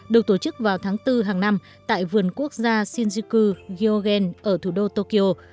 được tổ chức vào tháng bốn hàng năm tại vườn quốc gia shinjuku gyoen ở thủ đô tokyo